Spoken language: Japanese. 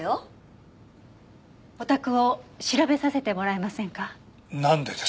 お宅を調べさせてもらえませんか？